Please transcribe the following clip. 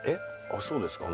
あっそうですか？